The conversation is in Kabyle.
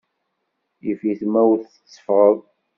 Yif-it ma ur tetteffɣeḍ.